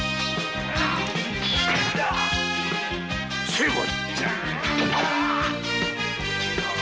成敗！